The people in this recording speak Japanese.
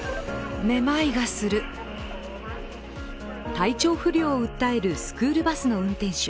体調不良を訴えるスクールバスの運転手。